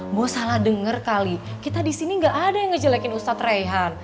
mau salah denger kali kita di sini nggak ada yang ngejelekin ustadz reyhan